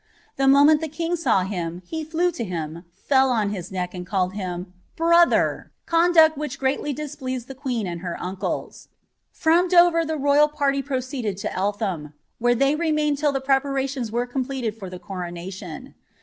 The moment the king saw him, he flew to bin, fell on his neck, and called him ■'brother^"* conduct which gnul*' displeased the queen and her uncles. From Dover the royal parly frtr ceeded to Elthara, where they remained till the preparations were eo* ?leted for the qotonation.